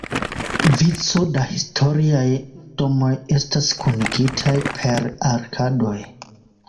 Vico da historiaj domoj estas kunigitaj per arkadoj.